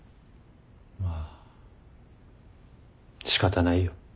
まあ仕方ないよ。